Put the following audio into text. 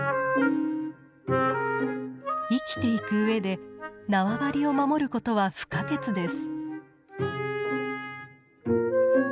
生きていくうえで縄張りを守ることは不可欠です。